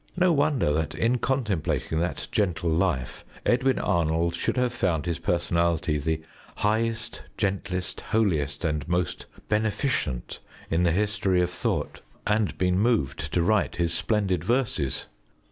No wonder that in contemplating that gentle life Edwin Arnold should have found his personality "the highest, gentlest, holiest and most beneficent ... in the history of thought," and been moved to write his splendid verses.